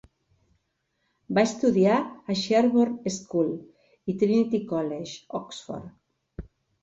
Va estudiar a Sherborne School i Trinity College, Oxford.